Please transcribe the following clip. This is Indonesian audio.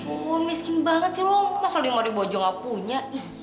oh miskin sekali masuk rp lima saja tidak punya